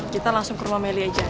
kita langsung ke rumah meli aja